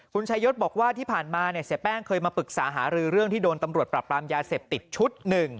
คุณชายศบอกว่าที่ผ่านมาเนี่ยเสียแป้งเคยมาปรึกษาหารือเรื่องที่โดนตำรวจปรับปรามยาเสพติดชุด๑